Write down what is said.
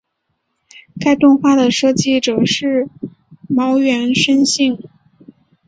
该动画的设计者是茅原伸幸。